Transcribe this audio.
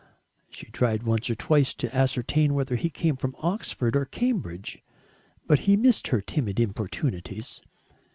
She tried once or twice to ascertain whether he came from Oxford or Cambridge, but he missed her timid importunities.